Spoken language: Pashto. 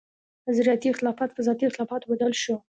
نظرياتي اختلافات پۀ ذاتي اختلافاتو بدل شو